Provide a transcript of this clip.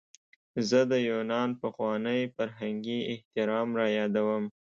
زه د یونان پخوانی فرهنګي احترام رایادوم.